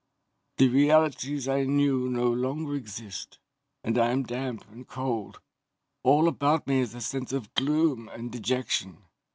"The realities I knew no longer exist, and I am damp and cold. All about me is a sense of gloom and dejection.